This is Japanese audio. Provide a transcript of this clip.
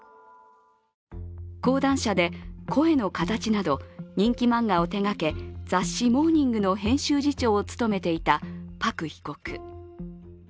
講談社で「聲の形」など人気漫画を手がけ雑誌「モーニング」の編集次長を務めていたパク被告。